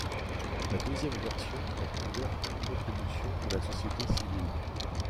La deuxième version est ouverte aux contributions de la société civile.